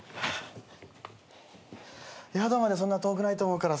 宿までそんな遠くないと思うからさ。